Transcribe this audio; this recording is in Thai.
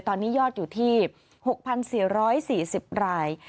ตอนนี้ยอดอยู่ที่๖๔๔๐ราย